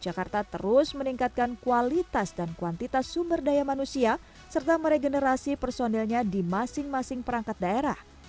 jakarta terus meningkatkan kualitas dan kuantitas sumber daya manusia serta meregenerasi personilnya di masing masing perangkat daerah